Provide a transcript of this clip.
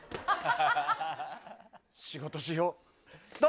仕事しよう。